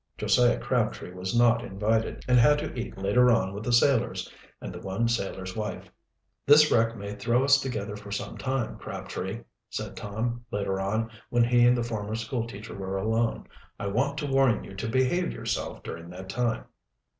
Josiah Crabtree was not invited, and had to eat later on with the sailors and the one sailor's wife. "This wreck may throw us together for some time, Crabtree," said Tom, later on, when he and the former school teacher were alone. "I want to warn you to behave yourself during that time."